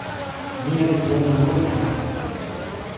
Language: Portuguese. Me adiciona no WhatsApp